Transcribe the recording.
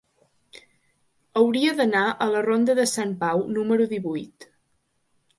Hauria d'anar a la ronda de Sant Pau número divuit.